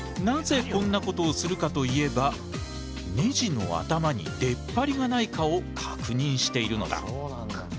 なぜこんなことをするかといえばネジの頭に出っ張りがないかを確認しているのだ。